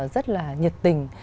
rất là nhiệt tình